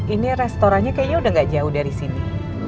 ini restorannya kayaknya udah gak jauh dari sini